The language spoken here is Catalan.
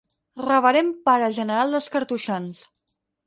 Reverend Pare General dels cartoixans.